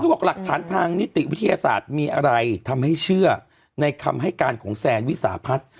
บอกหลักฐานทางนิติวิทยาศาสตร์มีอะไรทำให้เชื่อในคำให้การของแซนวิสาพัฒน์